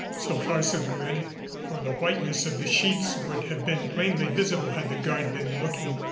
So far so good, for the whiteness of the sheets would have been plainly visible had the guard been looking.